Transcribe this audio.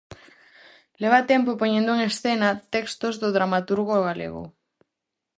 Leva tempo poñendo en escena textos do dramaturgo galego.